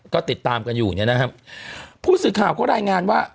ก็ติดตามกันอยู่เนี่ยนะครับผู้สื่อข่าวก็รายงานว่า